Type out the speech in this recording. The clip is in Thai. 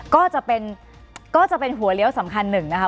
ก็จะเป็นหัวเลี้ยวสำคัญหนึ่งนะคะ